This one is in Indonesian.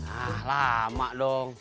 ah lama dong